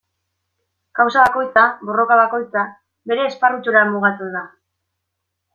Kausa bakoitza, borroka bakoitza, bere esparrutxora mugatzen da.